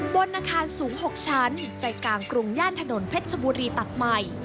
บนอาคารสูง๖ชั้นใจกลางกรุงย่านถนนเพชรชบุรีตัดใหม่